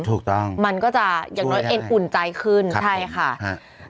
ถูกต้องมันก็จะอย่างน้อยเอ็นอุ่นใจขึ้นใช่ค่ะฮะ